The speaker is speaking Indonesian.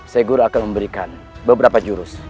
seguro akan memberikan beberapa jurus